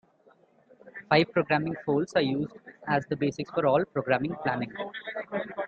Five programming folds are used as the basis for all program planning.